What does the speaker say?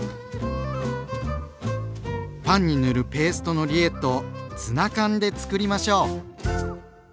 パンに塗るペーストのリエットをツナ缶でつくりましょう。